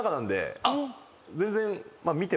全然。